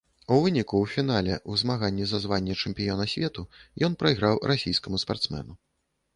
У выніку ў фінале ў змаганні за званне чэмпіёна свету ён прайграў расійскаму спартсмену.